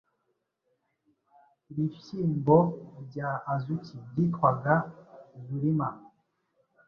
Ibihyimbo bya Azuki byitwaga "zurima